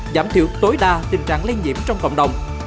giảm thiểu tối đa tình trạng lây nhiễm trong cộng đồng